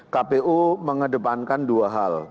kpu mengedepankan dua hal